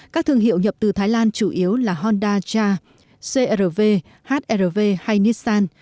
các thương hiệu nhập từ thái lan chủ yếu là honda ja cr v hr v hay nissan